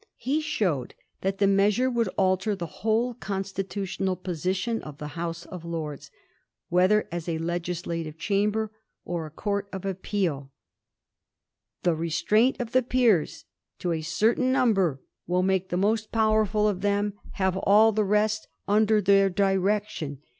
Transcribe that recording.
He showed that the measure would alter the whole constitutional position of the House of Lords, whether as a legislative chamber or a court of appeal. ^ The restraint of the Peers to a certain number will make the most powerful of them have all the rest under Digiti zed by Google 232 A HISTORY OF THE FOUR GEORGES. GH, X. their direction